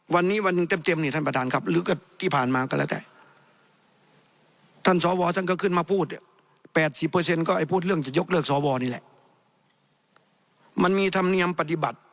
มันมีธรรมเนียมปฏิบัติ